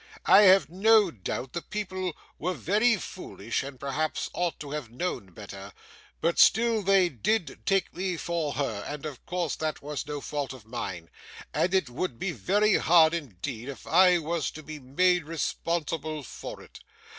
I have no doubt the people were very foolish, and perhaps ought to have known better, but still they did take me for her, and of course that was no fault of mine, and it would be very hard indeed if I was to be made responsible for it.